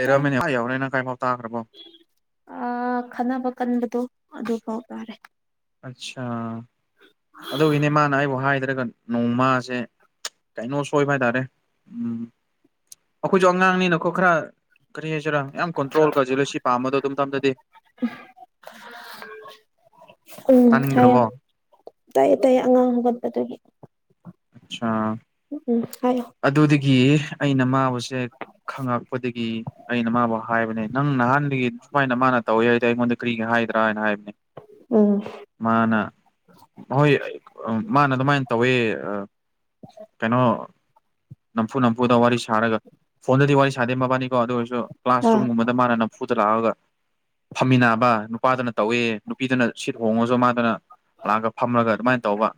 ꯇꯥꯏ ꯑꯥ ꯌꯥꯎꯔꯦ ꯅꯪ ꯀꯥꯏꯐꯥꯎ ꯇꯥꯈ꯭ꯔꯕꯣ ꯑ ꯈꯟꯅꯕ ꯀꯟꯕꯗꯨ ꯑꯗꯨꯐꯥꯎ ꯇꯥꯔꯦ ꯑꯠꯆꯥꯥ ꯑꯗꯨꯒꯤꯅꯦ ꯃꯥꯅ ꯑꯩꯕꯨ ꯍꯥꯏꯗ꯭ꯔꯒ ꯅꯣꯡꯃꯥꯁꯦ ꯀꯩꯅꯣ ꯁꯣꯏꯕ ꯍꯥꯏꯇꯥꯔꯦ ꯎꯝ ꯑꯩꯈꯣꯏꯖꯨ ꯑꯉꯥꯡꯅꯤꯅꯀꯣ ꯈꯔ ꯀꯔꯤ ꯍꯥꯏꯁꯤꯔꯥ ꯌꯥꯝ ꯀꯟꯇ꯭ꯔꯣꯜ ꯀ ꯖꯦꯂꯥꯁꯤ ꯄꯥꯝꯕꯗꯣ ꯑꯗꯨ ꯃꯇꯝꯗꯗꯤ ꯎꯝ ꯍꯥꯏꯌꯣ ꯇꯥꯅꯤꯡꯗ꯭ꯔꯕꯣ ꯇꯥꯏꯌꯦ ꯇꯥꯏꯌꯦ ꯑꯉꯥꯡ ꯍꯧꯒꯠꯄꯗꯨꯒꯤ ꯑꯆꯥ ꯎꯝ ꯎꯝ ꯍꯥꯏꯌꯣ ꯑꯗꯨꯗꯒꯤ ꯑꯩꯅ ꯃꯥꯕꯨꯁꯦ ꯈꯪꯉꯛꯄꯗꯒꯤ ꯑꯩꯅ ꯃꯥꯕꯨ ꯍꯥꯏꯕꯅꯦ ꯅꯪ ꯅꯍꯥꯟꯗꯒꯤ ꯁꯨꯃꯥꯏꯅ ꯃꯥꯅ ꯇꯧꯋꯤ ꯍꯥꯏꯗꯤ ꯑꯩꯉꯣꯟꯗ ꯀꯔꯤꯒꯤ ꯍꯥꯏꯗ꯭ꯔꯥꯅ ꯍꯥꯏꯕꯅꯦ ꯎꯝ ꯃꯥꯅ ꯍꯣꯏ ꯃꯥꯅ ꯑꯗꯨꯃꯥꯏꯟ ꯇꯧꯋꯦ ꯀꯩꯅꯣ ꯅꯝꯐꯨ ꯅꯝꯐꯨꯗ ꯋꯥꯔꯤ ꯁꯥꯔꯒ ꯐꯣꯟꯗꯗꯤ ꯋꯥꯔꯤ ꯁꯥꯗꯦ ꯃꯕꯥꯅꯤꯀꯣ ꯑꯗꯨ ꯑꯣꯏꯔꯁꯨ ꯑ ꯀ꯭ꯂꯥꯁꯔꯨꯝꯒꯨꯝꯕ ꯃꯥꯅ ꯅꯝꯐꯨꯗ ꯂꯥꯛꯑꯒ ꯐꯝꯃꯤꯟꯅꯕ ꯅꯨꯄꯥꯗꯨꯅ ꯇꯧꯋꯦ ꯅꯨꯄꯤꯗꯨꯅ ꯁꯤꯠ ꯍꯣꯡꯉꯁꯨ ꯃꯥꯗꯨꯅ ꯂꯥꯛꯑꯒ ꯐꯝꯂꯒ ꯑꯗꯨꯃꯥꯏ ꯇꯧꯕ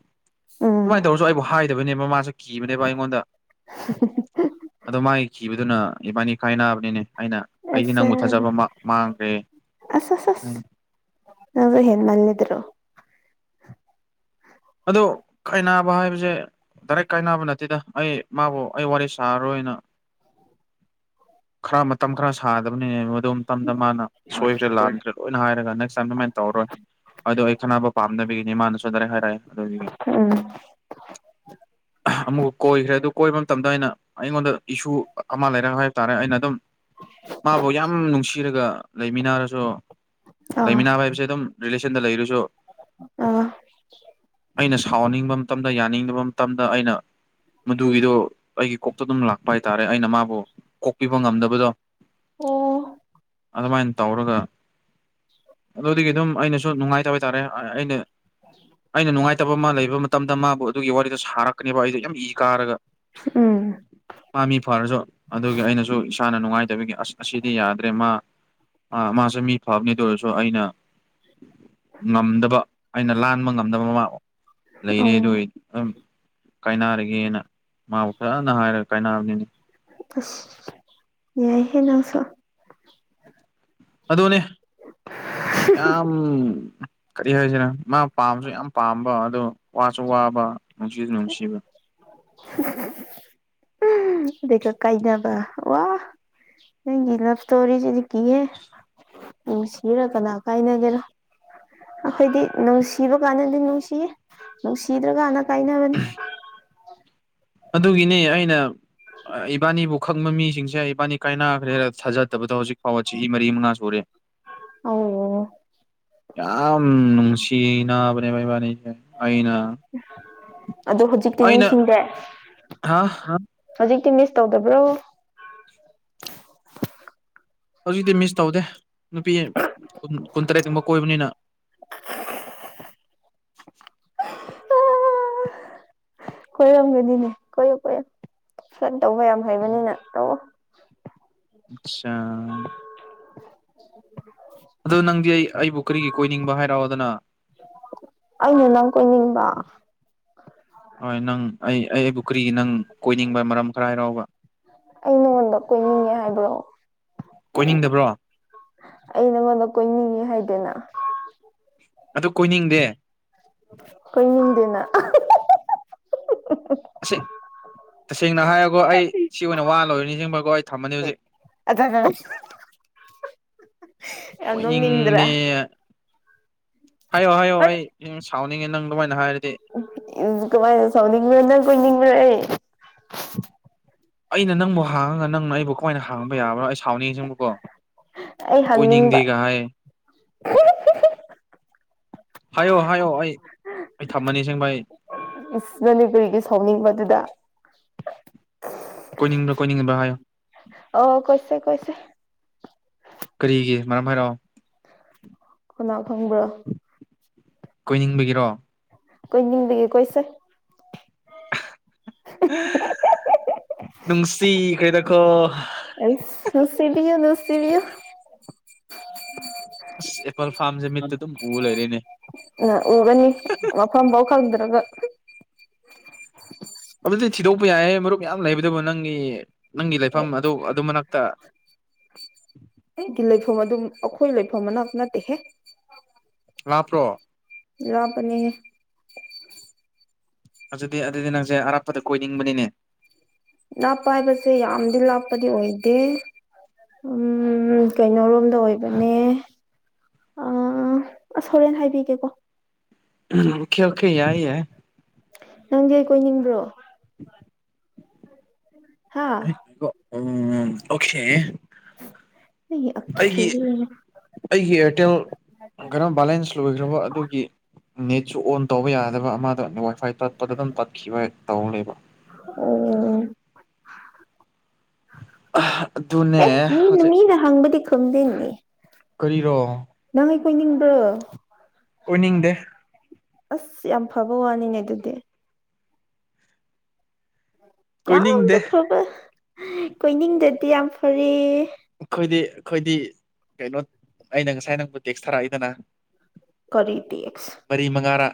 ꯎꯝ ꯑꯗꯨꯃꯥꯏꯅ ꯇꯧꯔꯁꯨ ꯑꯩꯕꯨ ꯍꯥꯏꯗꯕꯅꯦꯕ ꯃꯥꯁꯦ ꯀꯤꯕꯅꯦꯕ ꯑꯩꯉꯣꯟꯗ [unintelligible] ꯑꯗꯣ ꯃꯥꯒꯤ ꯀꯤꯕꯗꯨꯅ ꯏꯕꯥꯅꯤ ꯀꯥꯏ ꯅꯥꯕꯅꯤꯅꯦ ꯑꯩꯅ ꯑꯩꯗꯤ ꯑꯁ ꯅꯪꯕꯨ ꯊꯥꯖꯕ ꯃꯥ ꯃꯥꯡꯈ꯭ꯔꯦ ꯑꯁ ꯑꯁ ꯑꯁ ꯅꯪꯁꯨ ꯍꯦꯟꯃꯟꯗ꯭ꯔꯣ ꯑꯗꯣ ꯈꯥꯏꯅꯥꯕ ꯍꯥꯏꯕꯁꯦ ꯗꯥꯏꯔꯦꯛ ꯀꯥꯏꯅꯕ ꯅꯠꯇꯦꯗ ꯑꯩ ꯃꯥꯕꯨ ꯑꯩ ꯋꯥꯔꯤ ꯁꯥꯔꯔꯣꯏꯅ ꯈꯔ ꯃꯇꯝ ꯈꯔ ꯁꯥꯗꯕꯅꯦ ꯃꯗꯨ ꯃꯇꯝꯗ ꯃꯥꯅ ꯁꯣꯏꯈ꯭ꯔꯦ ꯂꯥꯟꯈ꯭ꯔꯦ ꯂꯣꯏꯅ ꯍꯥꯏꯔꯒ ꯅꯦꯛꯁ ꯇꯥꯏꯝ ꯑꯗꯨꯃꯥꯢ ꯇꯧꯔꯣꯏ ꯑꯗꯣ ꯑꯩ ꯈꯟꯅꯅꯕ ꯄꯥꯝꯗꯕꯤꯒꯤꯅꯤ ꯃꯥꯅꯁꯨ ꯗꯥꯏꯔꯦꯛ ꯍꯥꯏꯔꯛꯑꯦ [unintelligible] ꯎꯝ ꯑꯃꯨꯛ ꯀꯣꯏꯈ꯭ꯔꯦ ꯑꯗꯨ ꯀꯣꯏꯕ ꯃꯇꯝꯗ ꯑꯩꯅ ꯑꯩꯉꯣꯟꯗ ꯏꯁꯨ ꯑꯃ ꯂꯩꯔꯛ ꯍꯥꯏꯕ ꯇꯥꯔꯦ ꯑꯩꯅ ꯑꯗꯨꯝ ꯃꯥꯕꯨ ꯌꯥꯝ ꯅꯨꯡꯁꯤꯔꯒ ꯂꯩꯃꯤꯟꯅꯔꯁꯨ ꯂꯩꯃꯤꯟꯅꯕ ꯍꯥꯏꯕꯁꯦ ꯑꯗꯨꯝ ꯔꯤꯂꯦꯁꯟꯗ ꯂꯩꯔꯁꯨ ꯑ ꯑꯩꯅ ꯁꯥꯎꯅꯤꯡꯕ ꯃꯇꯝꯗ ꯌꯥꯅꯤꯡꯗꯕ ꯃꯇꯝꯗ ꯑꯩꯅ ꯃꯗꯨꯒꯤꯗꯣ ꯑꯩꯒꯤ ꯀꯣꯛꯇ ꯑꯗꯨꯝ ꯂꯥꯛꯄ ꯍꯥꯏꯇꯥꯔꯦ ꯑꯩꯅ ꯃꯥꯕꯨ ꯀꯣꯛꯄꯤꯕ ꯉꯝꯗꯕꯗꯣ ꯑꯣ ꯑꯗꯨꯃꯥꯏꯅ ꯇꯧꯔꯒ ꯑꯗꯨꯗꯒꯤ ꯑꯗꯨꯝ ꯑꯩꯅꯁꯨ ꯅꯨꯡꯉꯥꯏꯇꯕ ꯍꯥꯏꯇꯥꯥꯔꯦ ꯑꯩꯅ [inaudible] ꯑꯩꯅ ꯅꯨꯡꯉꯥꯏꯇꯕ ꯃꯥ ꯂꯩꯕ ꯃꯇꯝꯗ ꯃꯥꯕꯨ ꯑꯗꯨꯒꯤ ꯋꯥꯔꯤꯗꯣ ꯁꯥꯔꯛꯀꯅꯦꯕ ꯑꯩꯗꯣ ꯌꯥꯝ ꯏ ꯀꯥꯔꯒ ꯎꯝ ꯃꯥꯝꯃꯤ ꯐꯔꯁꯨ ꯑꯗꯨꯒꯤ ꯑꯩꯅꯁꯨ ꯏꯁꯥꯅ ꯅꯨꯡꯉꯥꯏꯇꯕꯒꯤ ꯑꯁ ꯑꯁꯤꯗꯤ ꯌꯥꯗ꯭ꯔꯦ ꯃꯥ ꯑ ꯃꯥꯁꯨ ꯃꯤ ꯐꯕꯅꯦ ꯑꯗꯨ ꯑꯣꯏꯔꯁꯨ ꯑꯩꯅ ꯉꯝꯗꯕ ꯑꯩꯅ ꯂꯥꯟꯕ ꯉꯝꯗꯕ ꯃꯃꯥ ꯂꯩꯔꯦ ꯑꯗꯨ ꯑꯣ ꯑꯗꯨꯝ ꯀꯥꯏꯅꯔꯒꯦꯅ ꯃꯥꯕꯨ ꯐꯖꯅ ꯍꯥꯏꯔꯒ ꯀꯥꯏꯅꯕꯅꯤꯗ ꯑꯁ ꯌꯥꯏꯍꯦ ꯅꯪꯁꯨ ꯑꯗꯨꯅꯦ ꯌꯥꯝ ꯀꯔꯤ ꯍꯥꯏꯁꯤꯔ ꯃꯥ ꯄꯥꯝꯕꯁꯨ ꯌꯥꯝ ꯄꯥꯝꯕ ꯑꯗꯣ ꯋꯥꯁꯨ ꯋꯥꯕ ꯅꯨꯡꯁꯤꯁꯨ ꯅꯨꯡꯁꯤꯕ [inaudible] ꯀꯥꯏꯅꯕ ꯋꯥ ꯅꯪꯒꯤ ꯂꯚ ꯁꯇꯣꯔꯤ ꯁꯤꯗꯤ ꯀꯤꯌꯦ ꯎ ꯁꯤꯔ ꯀꯅꯥ ꯀꯥꯏꯅꯒꯦꯔꯣ ꯑꯩꯈꯣꯏꯗꯤ ꯅꯨꯡꯁꯤꯕ ꯀꯥꯟꯅꯗꯤ ꯅꯨꯡꯁꯤꯌꯦ ꯅꯨꯡꯁꯤꯗ꯭ꯔꯀꯥꯟꯅ ꯀꯥꯏꯅꯕꯅꯤ [inaudible] ꯑꯗꯨꯒꯤꯅꯤ ꯑꯩꯅ ꯏꯕꯥꯅꯤꯕꯨ ꯈꯪꯕ ꯃꯤꯁꯤꯡꯁꯦ ꯏꯕꯥꯅꯤ ꯀꯥꯏꯅꯈ꯭ꯔꯦ ꯊꯥꯖꯗꯕꯗ ꯍꯧꯖꯤꯛ ꯐꯥꯎꯕ ꯆ ꯃꯔꯤ ꯃꯉꯥ ꯁꯨꯔꯦ [inaudible] ꯑꯧ ꯌꯥꯝ ꯅꯨꯡꯁꯤ ꯅꯥꯕꯅꯦꯕ ꯏꯕꯥꯅꯤꯁꯦ ꯑꯩꯅ ꯑꯗꯣ ꯍꯧꯖꯤꯛꯇꯤ ꯑꯩꯅ [unintelligible] ꯍꯥ ꯍꯧꯖꯤꯛꯇꯤ ꯃꯤꯁ ꯇꯧꯗꯕ꯭ꯔꯣ ꯍꯧꯖꯤꯛꯇꯤ ꯃꯤꯁ ꯇꯧꯗꯦ ꯅꯨꯄꯤ ꯀꯨꯟꯇꯔꯦꯠꯃꯨꯛ ꯀꯣꯏꯕꯅꯤꯅ ꯀꯣꯏꯔꯝꯒꯅꯤꯅꯦ ꯀꯣꯏꯌꯨ ꯀꯣꯏꯌꯨ ꯐꯂꯔꯠ ꯇꯧꯕ ꯌꯥꯝ ꯍꯩꯕꯅꯤꯅ ꯇꯧꯑꯣ ꯑꯆꯥ [inaudible] ꯑꯗꯣ ꯅꯪꯗꯤ ꯑꯩ ꯑꯩꯕꯨ ꯀꯔꯤꯒꯤ ꯀꯣꯏꯅꯤꯡꯕ ꯍꯥꯏꯔꯛꯑꯣꯗꯅ ꯑꯩꯅ ꯅꯪ ꯀꯣꯏꯅꯤꯡꯕ ꯍꯣꯏ ꯅꯪ ꯑꯩ ꯑꯩꯕꯨ ꯀ꯭ꯔꯤꯒꯤ ꯅꯪ ꯀꯣꯏꯅꯤꯡꯕ ꯃꯔꯝ ꯈꯔ ꯍꯥꯏꯔꯥꯎꯕ ꯑꯩ ꯅꯉꯣꯟꯗ ꯀꯣꯏꯅꯤꯡꯉꯦ ꯍꯥꯏꯕ꯭ꯔꯣ ꯀꯣꯏꯅꯤꯡꯗꯕ꯭ꯔꯣ ꯑꯩ ꯅꯉꯣꯟꯗ ꯀꯣꯏꯅꯤꯡꯉꯦ ꯍꯥꯏꯗꯦꯅ ꯑꯗꯨ ꯀꯣꯏꯅꯤꯡꯗꯦ ꯀꯣꯏꯅꯤꯡꯗꯦꯅ [unintelligible] ꯑꯁꯦꯡ ꯇꯁꯦꯡꯅ ꯍꯥꯏꯔꯒꯣ ꯑꯩ ꯁꯤ ꯑꯣꯏꯅ ꯋꯥ ꯂꯣꯏꯔ ꯅꯤꯡꯁꯤꯡꯕꯒꯣ ꯑꯩ ꯊꯝꯃꯅꯤ ꯍꯧꯖꯤꯛ [unintelligible] ꯌꯥꯝ ꯀꯣꯏꯅꯤꯡꯗꯦ ꯅꯣꯡꯅꯤꯡꯗ꯭ꯔꯥ ꯍꯥꯏꯌꯣ ꯍꯥꯏꯌꯣ ꯑꯩ ꯌꯥꯝ ꯁꯥꯎꯅꯤꯡꯉꯦ ꯅꯪ ꯗꯨꯃꯥꯏꯅ ꯍꯥꯏꯔꯗꯤ ꯏꯖ ꯀꯃꯥꯏꯅ ꯁꯥꯎꯅꯤꯡꯕ ꯅꯪ ꯀꯣꯏꯅꯤꯡꯕ ꯑꯩ [inaudible] ꯑꯩꯅ ꯅꯪꯕꯨ ꯍꯥꯡꯉꯒ ꯅꯪꯅ ꯑꯩꯕꯨ ꯀꯃꯥꯏꯅ ꯍꯥꯡꯕ ꯌꯥꯕ ꯑꯩ ꯁꯥꯎꯅꯤꯡꯉꯁꯤꯡꯕꯀꯣ ꯑꯩ ꯍꯪꯅꯤꯡꯕ ꯀꯣꯏꯅꯤꯡꯗꯦꯒ ꯍꯥꯏ [unintelligible] ꯍꯥꯏꯌꯣ ꯍꯥꯏꯌꯣ ꯑꯩ ꯑꯩ ꯊꯝꯃꯅꯤ ꯁꯦꯡꯚꯥꯏ ꯏꯁ ꯃꯅꯤꯄꯨꯔꯤꯒꯤ ꯁꯥꯎꯅꯤꯡꯕꯗꯨꯗ ꯀꯣꯏꯅꯤꯡꯕ꯭ꯔꯥ ꯀꯣꯏꯅꯤꯡꯕ꯭ꯔ ꯍꯥꯌꯣ ꯑꯣ ꯀꯣꯏꯁꯦ ꯀꯣꯏꯁꯦ ꯀꯔꯤꯒꯤ ꯃꯔꯝ ꯍꯥꯏꯔꯣ ꯀꯅꯥ ꯀꯅꯪꯕꯔꯣ ꯫ ꯀꯣꯏꯅꯤꯡꯕꯒꯤꯔꯣ꯫ ꯀꯣꯏꯅꯤꯡꯕꯒꯤ ꯀꯣꯏꯁꯦ꯫ ꯅꯨꯡꯁꯤꯈꯔꯗ ꯀꯣ꯫ ꯑꯁ ꯅꯨꯁꯤꯕꯤꯌꯨ ꯅꯨꯁꯤꯕꯤꯌꯨ꯫ ꯑꯁ ꯑꯦꯄꯜ ꯐꯥꯝ ꯎꯒꯅꯤ ꯃꯐꯝꯕꯥꯎ ꯈꯪꯗ꯭ꯔꯒ꯫ ꯑꯗꯨꯗꯤ ꯊꯤꯗꯣꯛꯄ ꯌꯥꯏꯌꯦ ꯃꯔꯨꯞ ꯌꯥꯝ ꯂꯩꯕꯗꯨꯕꯨ ꯅꯪꯒꯤ ꯅꯪꯒꯤ ꯂꯩꯐꯝ ꯑꯗꯨ ꯑꯗꯨ ꯃꯅꯛꯇ ꯑꯩꯗꯤ ꯂꯩꯐꯝ ꯑꯗꯨꯝ ꯑꯩꯈꯣꯏ ꯂꯩꯐꯝ ꯑꯅꯥꯛ ꯅꯠꯇꯦꯍꯦ꯫ ꯂꯥꯞꯄ꯭ꯔꯣ? ꯂꯥꯞꯄꯅꯦ꯫ ꯑꯗꯨꯗꯤ ꯑꯗꯨꯗꯤ ꯅꯪꯁꯦ ꯑꯔꯥꯞꯄꯗ ꯀꯣꯏꯅꯤꯡꯕꯅꯤꯅꯦ꯫ ꯥꯂꯥꯞꯄ ꯍꯥꯏꯕꯁꯦ ꯌꯥꯝꯗꯤ ꯂꯥꯞꯄꯗꯤ ꯑꯣꯏꯗꯦ꯫ ꯎꯝ ꯀꯩꯅꯣꯔꯣꯝꯗ ꯑꯣꯏꯕꯅꯦ ꯑ ꯑꯁ ꯍꯣꯔꯦꯟ ꯍꯥꯏꯕꯤꯒꯦꯀꯣ꯫ ꯎꯝ ꯑꯣꯈꯦ ꯑꯣꯈꯦ ꯌꯥꯏ ꯌꯥꯏ꯫ ꯅꯪꯗꯤ ꯑꯩ ꯀꯣꯏꯅꯤꯡꯕ꯭ꯔꯣ? [inaudible] ꯍꯥ ꯎꯝ ꯑꯣꯈꯦ꯫ ꯑꯩ ꯑꯈꯦ꯫ ꯑꯩꯒꯤ ꯑꯦꯌꯥꯔꯇꯦꯜ ꯀꯔꯝ ꯕꯦꯂꯦꯟꯁ ꯂꯣꯏꯈ꯭ꯔꯕ ꯑꯗꯨꯒꯤ꯫ ꯅꯦꯠꯁꯨ ꯑꯣꯟ ꯇꯧꯕ ꯌꯥꯗꯕ ꯑꯃꯗꯅꯦ ꯋꯥꯏꯐꯥꯏ ꯇꯠꯄꯗ ꯑꯗꯨꯝ ꯇꯠꯈꯤꯕ ꯇꯧ ꯂꯩꯕ꯫ ꯑꯣ ꯑꯗꯨꯅꯦ ꯑꯦ ꯃꯤꯅ ꯍꯧꯖꯤꯛ ꯃꯤꯅ ꯍꯪꯕꯗꯤ ꯈꯨꯝꯗꯦ꯫ ꯀꯔꯤꯔꯣ ꯅꯪ ꯑꯩ ꯀꯣꯏꯅꯤꯡꯕ꯭ꯔꯣ꯫ ꯀꯣꯏꯏꯅꯤꯡꯗꯦ꯫ ꯑꯁ ꯌꯥꯝ ꯐꯕ ꯋꯥꯅꯤꯅꯦ ꯑꯗꯨꯗꯤ꯫ ꯀꯣꯏꯅꯤꯡꯗꯦ ꯌꯥꯝꯅ ꯐꯕ ꯀꯣꯏꯅꯤꯡꯗꯗꯤ ꯌꯥꯝ ꯐꯔ꯫ ꯑꯩꯈꯣꯏꯗꯤ ꯑꯩꯈꯣꯏꯗꯤ ꯀꯩꯅꯣ ꯑꯩꯅ ꯉꯁꯥꯏ ꯅꯪꯕꯨ ꯇꯦꯛꯁ ꯊꯥꯔꯛꯏꯗꯅ ꯀꯔꯤ ꯗꯤꯛꯁ ꯃꯔꯤ ꯃꯉꯥꯔꯥ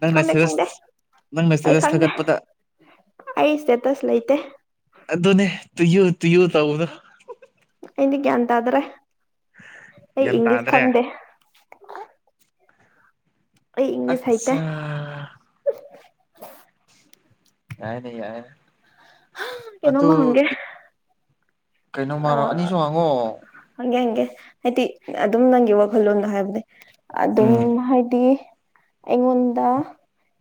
ꯅꯪꯅ ꯈꯪꯗꯦ ꯈꯪꯗꯦ ꯁꯇꯦꯔꯁ ꯅꯪꯅ ꯑꯩ ꯁꯇꯦꯔꯁ ꯈꯪꯗꯦ ꯊꯥꯒꯠꯄꯗ ꯑꯩ ꯁꯦꯇꯁ ꯂꯩꯇꯦ꯫ ꯑꯗꯨ ꯑꯗꯨꯣꯅꯦ ꯇꯨ ꯌꯨ ꯇꯨ ꯌꯨ ꯇꯥꯎꯗꯣ꯫ ꯑꯗꯤ ꯒ꯭ꯌꯥꯟ ꯇꯥꯗ꯭ꯔꯦ ꯑꯩ ꯒ꯭ꯌꯥꯟ ꯏꯪꯂꯤꯁ ꯇꯥꯗ꯭ꯔꯦ ꯈꯪꯗꯦ꯫ ꯑꯩ ꯏꯪꯂꯤꯁ ꯍꯩꯇꯦ ꯑꯆꯥ ꯌꯥꯏ ꯅ ꯌꯥꯏ꯫ ꯀꯩꯅꯣꯃ ꯍꯪꯒꯦ꯫ ꯑ ꯀꯩꯅꯣꯃꯔꯣ ꯑꯅꯤꯁꯨ ꯍꯥꯡꯉꯣ꯫ ꯍꯪꯒꯦ ꯍꯪꯒꯦ ꯍꯥꯏꯗꯤ ꯑꯗꯨꯝ ꯅꯪꯒꯤ ꯋꯥꯈꯜꯂꯣꯟꯗꯣ ꯍꯥꯏꯕꯅꯦ꯫ ꯑꯗꯨꯝ ꯎꯝ ꯍꯥꯏꯗꯤ ꯑꯩꯉꯣꯟꯗ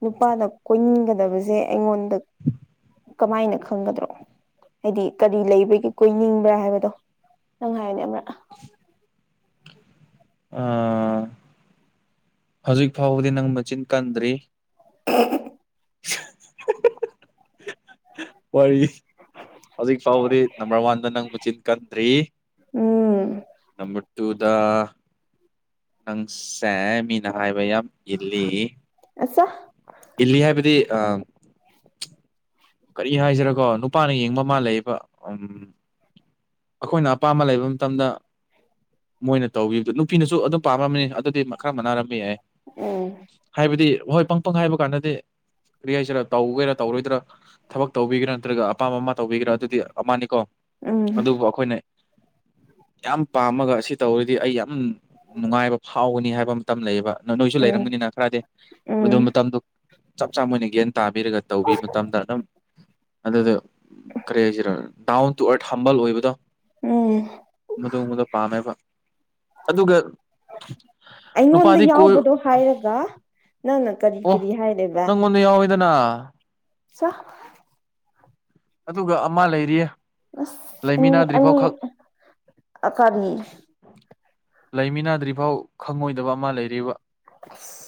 ꯅꯨꯄꯥꯅ ꯀꯣꯏꯅꯤꯡꯒꯗꯕꯁꯦ꯫ ꯑꯩꯉꯣꯟꯗ ꯀꯃꯥꯏꯅ ꯈꯪꯒꯗ꯭ꯔꯣ ꯍꯥꯏꯗꯤ ꯀꯔꯤ ꯂꯩꯕꯒꯤ ꯀꯣꯏꯅꯤꯡ ꯭ꯔꯥ ꯍꯥꯏꯕꯗꯣ ꯅꯪ ꯍꯥꯏꯅꯦ ꯑꯃ꯭ꯔꯥ ꯑ ꯍꯧꯖꯤꯛ ꯐꯥꯎꯕꯗꯤ ꯅꯪ ꯃꯆꯤꯟ ꯀꯟꯗ꯭ꯔꯤ꯫ [unintelligible] [unintelligible] ꯋꯥꯔꯤ ꯍꯧꯖꯤꯛ ꯐꯥꯎꯕꯗꯤ ꯅꯝꯕꯔ ꯋꯥꯟꯗ ꯅꯪ ꯃꯆꯤꯟ ꯀꯟꯗ꯭ꯔꯤ꯫ ꯎꯝ ꯅꯝꯕꯔ ꯇꯨ ꯗꯥ ꯅꯪꯁꯦ ꯃꯤꯅ ꯍꯥꯏꯕ ꯌꯥꯝ ꯏꯜꯂꯤ ꯑꯆꯥ ꯏꯜꯂꯤ ꯍꯥꯏꯕꯗꯤ ꯑꯥ ꯀꯔꯤ ꯍꯥꯏꯁꯤꯔꯒꯣ ꯅꯨꯄꯥꯅ ꯌꯦꯡꯕ ꯃꯥ ꯂꯩꯕ ꯎꯝ ꯑꯩꯈꯣꯏꯅ ꯑꯄꯥꯝꯕ ꯂꯩꯕ ꯃꯇꯝꯗꯥ ꯃꯣꯏꯅ ꯇꯧꯒꯤꯕꯗꯨ ꯅꯨꯄꯤꯅꯁꯨ ꯑꯗꯨꯝ ꯄꯥꯝꯂꯝꯝꯃꯤꯅꯤ ꯑꯗꯨꯗꯤ ꯈꯔ ꯃꯅꯥꯔꯝꯕ ꯌꯥꯏ ꯎꯝ ꯍꯥꯏꯕꯗꯤ ꯍꯣꯏ ꯄꯪ ꯄꯪ ꯍꯥꯏꯕ ꯀꯥꯟꯗꯗꯤ ꯀꯔꯤ ꯍꯥꯏꯁꯤꯔꯥ ꯇꯧꯒꯦꯔꯥ ꯇꯧꯔꯣꯏꯗ꯭ꯔꯥ ꯊꯕꯛ ꯇꯧꯕꯤꯒꯦꯔꯥ ꯅꯠꯇ꯭ꯔꯒ ꯑꯄꯥꯝꯕ ꯑꯃ ꯇꯧꯕꯤꯒꯦꯔꯥ ꯑꯗꯨꯗꯤ ꯑꯃꯅꯤꯀꯣ ꯎꯝ ꯑꯗꯨꯕꯨ ꯑꯩꯈꯣꯏꯅ ꯌꯥꯝ ꯄꯥꯝꯃꯒ ꯑꯁꯤ ꯇꯧꯔꯗꯤ ꯑꯩ ꯌꯥꯝ ꯅꯨꯡꯉꯥꯏꯕ ꯐꯥꯎꯒꯅꯤ ꯍꯥꯏꯕ ꯑꯃ ꯇꯝ ꯂꯩꯌꯦꯕ ꯅꯣꯏꯁꯨ ꯎꯝ ꯂꯩꯔꯝꯒꯅꯤꯅ ꯈꯔꯗꯤ ꯃꯗꯨ ꯎꯝ ꯃꯇꯝꯗꯨ ꯆꯞ ꯆꯥ ꯃꯣꯏꯅ ꯒ꯭ꯌꯥꯟ ꯇꯥꯕꯤꯔꯒꯥ ꯇꯧꯕꯤ ꯃꯇꯝꯗ ꯑꯗꯨꯝ ꯑꯗꯨꯗ ꯀꯔꯤ ꯍꯥꯏꯁꯤꯔꯣ ꯗꯥꯎꯟ ꯇꯨ ꯑꯔꯠ ꯍꯝꯕꯜ ꯑꯣꯏꯕꯗꯣ ꯎꯝ ꯃꯗꯣꯡꯕꯗ ꯄꯥꯝꯃꯦꯕ ꯑꯗꯨꯒ ꯑꯩꯉꯣꯟꯗ ꯅꯨꯄꯥꯗꯤ ꯀꯣꯏ ꯌꯥꯎꯕꯗꯣ ꯍꯥꯏꯔꯒ ꯅꯪꯅ ꯀꯔꯤ ꯑꯣ ꯀꯔꯤ ꯍꯥꯏꯔꯦꯕ ꯅꯪꯉꯣꯟꯗ ꯌꯥꯎꯋꯤꯗꯅ ꯆꯥ ꯑꯗꯨꯒ ꯑꯃ ꯂꯩꯔꯤꯌꯦ ꯑꯁ ꯑꯅꯤ ꯂꯩꯃꯤꯟꯅꯗ꯭ꯔꯤꯐꯥꯎ ꯑꯅꯤ ꯈꯛ ꯀꯔꯤ ꯂꯩꯃꯤꯟꯅꯗ꯭ꯔꯤ ꯐꯥꯎ ꯈꯪꯉꯣꯏꯗꯕ ꯑꯃ ꯂꯩꯔꯤꯕ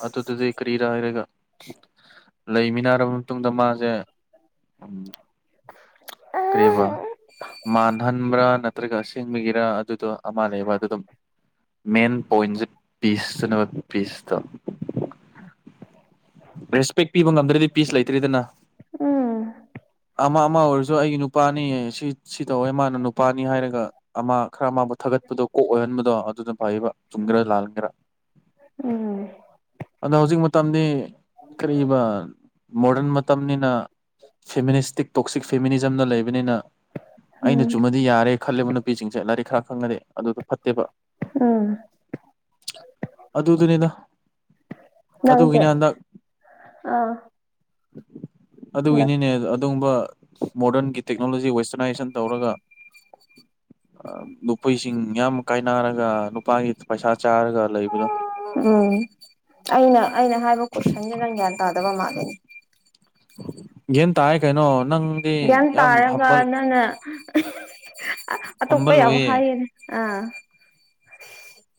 ꯑꯗꯨꯗꯨꯗꯤ ꯀꯔꯤꯔ ꯍꯥꯏꯔꯒ ꯂꯩꯃꯤꯟꯅꯔꯕ ꯃꯇꯨꯡꯗ ꯃꯥꯁꯦ ꯎꯝ ꯀꯔꯤꯕ ꯎꯝ ꯃꯥꯟꯍꯟꯕ꯭ꯔꯥ ꯅꯠꯇ꯭ꯔꯒꯁꯦꯡꯕꯒꯤꯔꯥ ꯑꯗꯨꯗꯣ ꯑꯃ ꯂꯩꯕ ꯑꯗꯨ ꯑꯗꯨꯝ ꯃꯦꯟ ꯄꯣꯏꯟꯁꯦ ꯄꯤꯁꯇꯅꯦꯕ ꯄꯤꯁꯇꯥ ꯔꯦꯁꯄꯦꯛ ꯄꯤꯕ ꯉꯝꯗ꯭ꯔꯗꯤ ꯄꯤꯁ ꯂꯩꯇ꯭ꯔꯤꯗꯅ ꯎꯝ ꯑꯃ ꯑꯃ ꯑꯣꯏꯔꯁꯨ ꯑꯩꯒꯤ ꯅꯨꯄꯥꯅꯤ ꯁꯤ ꯁꯤ ꯇꯧꯋꯦ ꯃꯥꯅ ꯅꯨꯄꯥꯅꯤ ꯍꯥꯏꯔꯒ ꯑꯃ ꯈꯔ ꯑꯃꯥꯕꯨ ꯊꯥꯒꯠꯄꯗꯣ ꯀꯣꯛ ꯑꯣꯏꯍꯟꯕꯗꯣ ꯑꯗꯨꯅ ꯐꯩꯕ ꯆꯨꯝꯒꯦꯔꯥ ꯂꯥꯍꯟꯒꯔꯥ ꯎꯝ ꯑꯅꯥ ꯍꯧꯖꯤꯛ ꯃꯇꯝꯗꯤ ꯀꯔꯤꯕ ꯃꯣꯗꯔꯟ ꯃꯇꯝꯅꯤꯅ ꯐꯦꯃꯤꯅꯤꯁꯇꯤꯛ ꯇꯣꯛꯁꯤꯛ ꯐꯦꯃꯤꯅꯤꯖꯝꯗ ꯂꯩꯕꯅꯤꯅ ꯑꯩꯅ ꯆꯨꯝꯃꯗꯤ ꯌꯥꯔꯦ ꯈꯜꯂꯦꯕ ꯅꯨꯄꯤꯁꯤꯡꯁꯦ ꯂꯥꯏꯔꯤꯛ ꯈꯔ ꯈꯪꯉꯗꯤ ꯑꯗꯨꯗꯣ ꯐꯠꯇꯦꯕ ꯎꯝ ꯑꯗꯨ ꯗꯨꯅꯤꯗ ꯅꯪꯁꯦ ꯑꯥ ꯍꯟꯗꯛ ꯑꯗꯨꯒꯤꯅꯤꯅꯦ ꯑꯗꯨꯒꯨꯝꯕ ꯃꯣꯗꯔꯟꯒꯤ ꯇꯦꯛꯅꯣꯂꯣꯖꯤ ꯋꯦꯁꯇꯔꯅꯥꯏꯁꯟ ꯇꯧꯔꯒ ꯅꯨꯄꯤꯁꯤꯡ ꯌꯥꯝ ꯀꯥꯏꯅꯔꯒ ꯅꯨꯄꯥꯒꯤ ꯄꯩꯁꯥ ꯆꯥꯔꯒ ꯂꯩꯕꯗꯣ ꯎꯝ ꯑꯩꯅ ꯑꯩꯅ ꯍꯥꯏꯕ ꯀꯣꯏꯁꯟꯁꯤ ꯅꯪ ꯒ꯭ꯌꯥꯟ ꯇꯥꯗꯕ ꯃꯥꯜꯂꯤꯅꯦ ꯒ꯭ꯌꯥꯟ ꯇꯥꯏ ꯀꯩꯅꯣ ꯅꯪ ꯒ꯭ꯌꯥꯟ ꯇꯥꯔꯒ ꯅꯪꯅ ꯑꯇꯣꯞꯄ ꯍꯝꯕꯜ ꯌꯥꯝ ꯑꯣꯏꯌꯦ ꯍꯥꯏꯌꯦꯅꯦ ꯑꯥ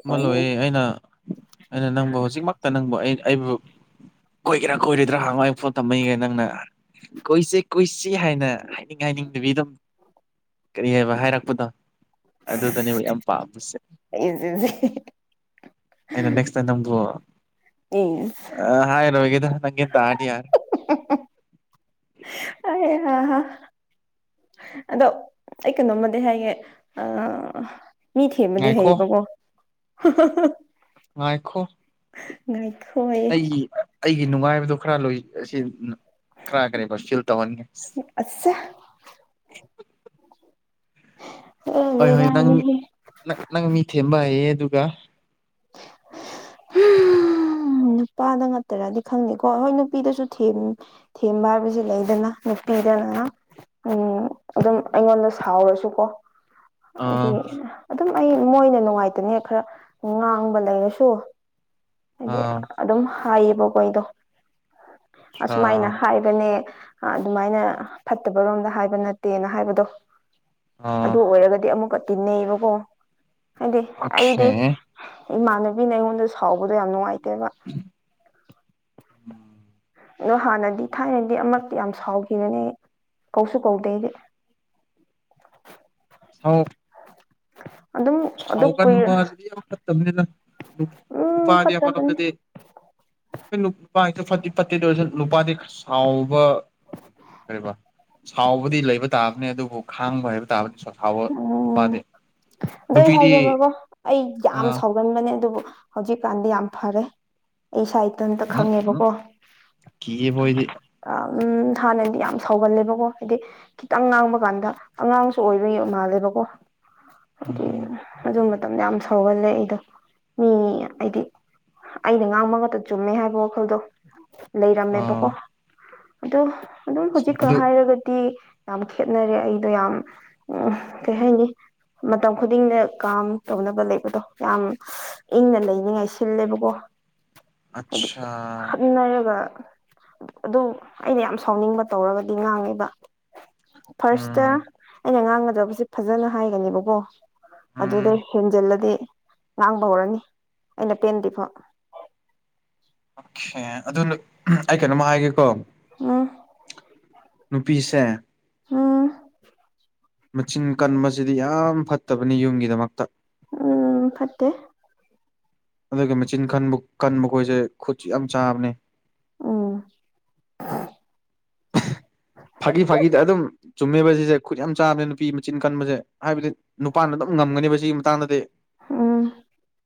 ꯑꯃ ꯑꯣꯏꯅꯤ ꯂꯣꯏꯌꯦ ꯑꯩꯅ ꯑꯩꯅ ꯅꯪꯕ ꯍꯧꯖꯤꯛꯃꯛꯇ ꯅꯪꯕꯨ ꯑꯩ ꯑꯩꯕꯨ ꯀꯣꯏꯒꯦꯔꯥ ꯀꯣꯏꯔꯣꯏꯗ꯭ꯔꯥ ꯍꯥꯡꯉꯣꯅ ꯐꯣꯟ ꯊꯝꯃꯒꯦ ꯅꯪꯅ ꯀꯣꯏꯁꯤ ꯀꯨꯏꯁꯤ ꯍꯥꯏꯅ ꯍꯥꯏꯅꯤꯡ ꯍꯥꯏꯅꯤꯡꯗꯕꯤꯗꯣ ꯀꯔꯤ ꯍꯥꯏꯕ ꯍꯥꯏꯔꯛꯄꯗꯣ ꯑꯗꯨꯗꯅꯦꯕ ꯌꯥꯝ ꯄꯥꯝꯕꯁꯦ [unintelligible] ꯑꯩꯅ ꯅꯦꯛꯁ ꯇꯥꯏꯝ ꯅꯪꯕꯨ ꯑꯝ ꯑꯥ ꯍꯥꯏꯔꯣꯏꯒꯦꯗ ꯅꯪꯒꯤ ꯇꯥꯔꯗꯤ ꯌꯥꯔꯦ [unintelligible] ꯑꯗꯣ ꯑꯩ ꯀꯩꯅꯣꯝꯃꯗꯤ ꯍꯥꯏꯒꯦ ꯑ ꯃꯤ ꯊꯦꯝꯕꯗꯤ ꯉꯥꯏꯈꯣ ꯍꯩꯌꯦꯕꯀꯣ [unintelligible] ꯉꯥꯏꯈꯣ ꯉꯥꯏꯈꯣ ꯍꯥꯏꯌꯦ ꯑꯩꯒꯤ ꯑꯩꯒꯤ ꯅꯨꯡꯉꯥꯏꯕꯗꯣ ꯈꯔ ꯂꯣꯏ ꯑꯁꯤ ꯈꯔ ꯀꯔꯦꯕ ꯐꯤꯜ ꯇꯧꯍꯟꯒꯦ ꯏꯁ [unintelligible] ꯑꯆꯁꯥ ꯍꯣꯏ ꯍꯣꯏ ꯅꯪꯪ ꯅꯪ ꯃꯤ ꯊꯦꯝꯕ ꯍꯩꯌꯦ ꯑꯗꯨꯒ ꯍꯨꯝ ꯅꯨꯄꯥꯗ ꯉꯇꯥꯔꯗꯤ ꯈꯪꯗꯦꯀꯣ ꯍꯣꯏ ꯅꯨꯄꯤꯗꯁꯨ ꯊꯦꯝ__ ꯊꯦꯝꯕ ꯍꯥꯏꯕꯁꯤ ꯂꯩꯗꯅꯗ ꯅꯨꯄꯤꯗ ꯉꯥꯛ__ ꯎꯝ ꯑꯗꯨꯝ ꯑꯩꯉꯣꯟꯗ ꯁꯥꯎꯔꯁꯨꯀꯣ ꯑ ꯍꯥꯏꯗꯤ ꯑꯗꯨꯝ ꯑꯩ ꯃꯣꯏꯅ ꯅꯨꯡꯉꯥꯏꯇꯅꯦꯛ ꯈꯔ ꯉꯥꯡꯕ ꯂꯩꯔꯁꯨ ꯑ ꯍꯥꯏꯗꯤ ꯑꯗꯨꯝ ꯍꯥꯏꯌꯦꯕꯀꯣ ꯑꯩꯗꯣ ꯑꯁꯨꯃꯥꯏꯅ ꯑ ꯍꯥꯏ__ ꯒꯅꯦ ꯑꯥ ꯑꯗꯨꯃꯥꯏꯅ ꯐꯠꯇꯕ ꯔꯣꯝꯗ ꯍꯥꯏꯕ ꯅꯠꯇꯦꯅ ꯍꯥꯏꯕꯗꯣ ꯑꯗꯨ ꯑꯣꯏꯔꯒꯗꯤ ꯑꯃꯨꯛꯀ ꯇꯤꯟꯅꯩꯕꯀꯣ ꯍꯥꯏꯗꯤ ꯑꯣꯈꯦ ꯑꯩꯗꯤ ꯏꯃꯥꯟꯅꯕꯤꯅ ꯑꯩꯉꯣꯟꯗ ꯁꯥꯎꯕꯗꯣ ꯌꯥꯝ ꯅꯨꯡꯉꯥꯏꯇꯦꯕ [unintelligible] ꯎꯝ ꯑꯗꯣ ꯍꯥꯟꯅꯗꯤ ꯊꯥꯏꯅꯗꯤ ꯑꯃꯛꯇꯤ ꯌꯥꯝ ꯁꯥꯎꯈꯤꯕꯅꯦ ꯑꯩ ꯀꯧꯁꯨ ꯀꯧꯗꯦ ꯑꯩꯗꯤ ꯍꯥꯎ [unintelligible] ꯑꯗꯨꯝ ꯑꯗꯨ ꯀꯨꯏꯔ ꯁꯥꯎꯒꯟꯕꯥꯁꯤꯗꯤ ꯌꯥꯝ ꯐꯠꯇꯕꯅꯤꯅ ꯎꯝ ꯅꯨꯄꯥꯗꯤ ꯐꯠꯇꯕꯅꯦ ꯑꯃꯔꯣꯝꯗꯗꯤ ꯑꯩꯈꯣꯏ ꯅꯨꯄꯥꯏꯁꯨ ꯐꯠꯇꯤ ꯐꯠꯇꯦ ꯑꯗꯨꯑꯣꯏꯔꯁꯨ ꯅꯨꯄꯥꯗꯤ ꯈꯔ ꯁꯥꯎꯕ ꯀꯔꯤꯕ ꯁꯥꯎꯕꯗꯤ ꯂꯩꯕ ꯇꯥꯕꯅꯤ ꯑꯗꯨꯕꯨ ꯈꯥꯡꯕ ꯍꯩꯕ ꯇꯥꯕꯅꯤ ꯁꯨꯐꯥꯎꯕ ꯎꯝ ꯅꯨꯄꯥꯗꯤ ꯑꯗꯣ ꯑꯩ ꯅꯨꯄꯤꯗꯤ ꯍꯥꯏꯒꯦꯕꯥꯒꯣ ꯑꯩ ꯌꯥꯝ ꯑꯥ ꯁꯥꯎ__ ꯒꯟꯕꯅꯦ ꯑꯗꯨꯕꯨ ꯍꯧꯖꯤꯛꯀꯥꯟꯗꯤ ꯌꯥꯝ ꯐꯔꯦ ꯑꯩ ꯏꯁꯥ ꯏꯊꯟꯇ ꯎꯝ ꯈꯪꯉꯦꯕꯀꯣ ꯀꯤꯌꯦ ꯃꯣꯏꯗꯤ ꯑꯥ ꯎꯝ ꯍꯥꯟꯅꯗꯤ ꯌꯥꯝ ꯁꯥꯎꯒꯜꯂꯦꯕꯀꯣ ꯍꯥꯏꯗꯤ ꯈꯤꯇꯪ ꯉꯥꯡꯕ ꯀꯥꯟꯗ ꯑꯉꯥꯡꯁꯨ ꯑꯣꯏ__ [unintelligible] ꯃꯥꯜꯂꯦꯕꯀꯣ ꯍꯥꯏꯗꯤ ꯎꯝ ꯑꯗꯨ ꯃꯇꯝꯗ ꯌꯥꯝ ꯁꯧꯒꯜꯂꯦ ꯑꯩꯗꯣ ꯃꯤ ꯑꯥꯏꯗꯤ ꯑꯩꯅ ꯉꯥꯡꯕ ꯉꯥꯛꯇ ꯆꯨꯝꯃꯦ ꯍꯥꯏꯕ ꯋꯥꯈꯜꯗꯣ ꯂꯩꯔꯝꯃꯦꯕꯀꯣ ꯑꯥ ꯑꯗꯣ ꯑꯗꯨꯝ ꯍꯧꯖꯤꯛꯀ ꯑꯗꯨ ꯍꯥꯏꯔꯒꯗꯤ ꯌꯥꯝ ꯈꯦꯠꯅꯔꯦ ꯑꯩꯗꯣ ꯌꯥꯝ ꯎꯝꯍ ꯀꯩ ꯍꯥꯏꯅꯤ ꯃꯇꯝ ꯈꯨꯗꯤꯡꯗ ꯀꯥꯝ ꯇꯧꯅꯕ ꯂꯩꯕꯗꯣ ꯌꯥꯝ ꯏꯪꯅ ꯂꯩꯅꯤꯡꯉꯥꯏ ꯁꯤꯜꯂꯦꯕꯀꯣ ꯍꯥꯏꯗꯤ ꯑꯠꯁꯥ ꯈꯠꯅꯔꯒ ꯑꯗꯨ ꯑꯩꯅ ꯌꯥꯝ ꯁꯥꯎꯅꯤꯡꯕ ꯇꯧꯔꯒꯗꯤ ꯉꯥꯡꯉꯦꯕ ꯐꯥꯔꯁꯇ ꯎꯝ ꯑꯩꯅ ꯉꯥꯡꯒꯗꯕꯁꯤ ꯐꯖꯅ ꯍꯥꯏꯒꯅꯦꯕꯀꯣ ꯎꯝ ꯑꯗꯨꯗ ꯍꯦꯟꯖꯜꯂꯗꯤ ꯉꯥꯡꯕ ꯍꯧꯔꯅꯤ ꯑꯩꯅ ꯄꯦꯟꯗ꯭ꯔꯤꯐꯥꯎ ꯑꯣꯀꯦ ꯑꯗꯨꯅ ꯑꯩ ꯀꯩꯅꯣꯝꯃ ꯍꯥꯏꯒꯦꯀꯣ ꯎꯝ ꯅꯨꯄꯤꯁꯦ ꯎꯝ ꯃꯆꯤꯟ ꯀꯟꯕꯁꯤꯗꯤ ꯌꯥꯝ ꯐꯠꯇꯕꯅꯤ ꯌꯨꯝꯒꯤꯗꯃꯛꯇ ꯎꯝ ꯐꯠꯇꯦ ꯑꯗꯨꯒ ꯃꯆꯤꯟꯕ ꯀꯟꯕ ꯀꯟꯕ ꯈꯣꯏꯁꯦ ꯈꯨꯠꯁꯨ ꯌꯥꯝ ꯆꯥꯕꯅꯦ ꯎꯝ [unintelligible] [unintelligible] ꯐꯥꯒꯤ ꯐꯥꯒꯤꯗ ꯑꯗꯨꯝ ꯆꯨꯝꯃꯦꯕ ꯁꯤꯁꯦ ꯈꯨꯠ ꯌꯥꯝ ꯆꯥꯕꯅꯦ ꯅꯨꯄꯤ ꯃꯆꯤꯟ ꯀꯟꯕꯁꯦ ꯍꯥꯏꯕꯗꯤ ꯅꯨꯄꯥꯅ ꯑꯗꯨꯝ ꯉꯝꯒꯅꯦꯕ ꯁꯤꯒꯤ ꯃꯇꯥꯡꯗꯗꯤ ꯎꯝ